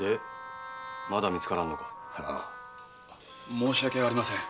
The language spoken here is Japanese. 申し訳ありません。